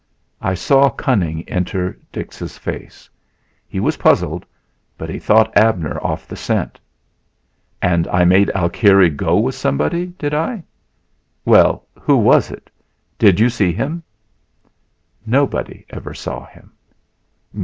I saw cunning enter Dix's face. He was puzzled, but he thought Abner off the scent. "And I made Alkire go with somebody, did I? Well, who was it? Did you see him?" "Nobody ever saw him."